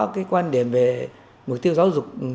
cái quan điểm về mục tiêu giáo dục